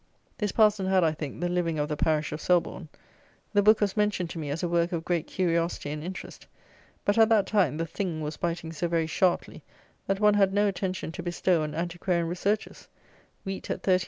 This parson had, I think, the living of the parish of Selborne. The book was mentioned to me as a work of great curiosity and interest. But, at that time, the THING was biting so very sharply that one had no attention to bestow on antiquarian researches. Wheat at 39_s.